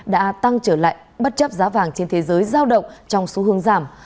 đã tăng trở lại bất chấp giá vàng trên thế giới giao động trong số hương giảm